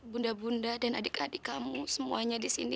bunda bunda dan adik adik kamu semuanya di sini